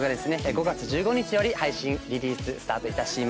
５月１５日より配信リリーススタート致します。